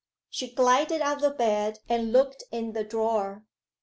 She glided out of bed and looked in the drawer.